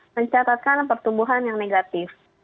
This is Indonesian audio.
mencatatkan pertumbuhan yang negatif